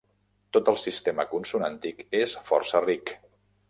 Tot el sistema consonàntic és força ric.